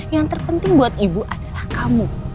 yang terpenting buat ibu adalah kamu